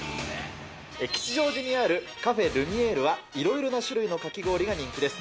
吉祥寺にあるカフェルミエールはいろいろな種類のかき氷が人気です。